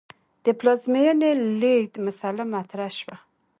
د پلازمې لېږد مسئله مطرح شوه.